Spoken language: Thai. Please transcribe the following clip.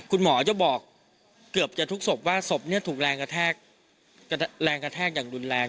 คุณหมอจะบอกเกือบจะทุกศพว่าศพเนี่ยถูกแรงกระแรงกระแทกอย่างรุนแรง